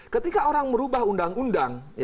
ketika orang merubah undang undang